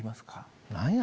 何や？